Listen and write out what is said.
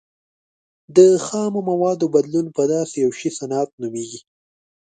د خامو موادو بدلون په داسې یو شي صنعت نومیږي.